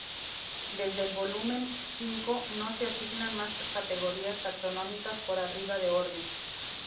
Desde el Volumen V no se asignan más categorías taxonómicas por arriba de Orden.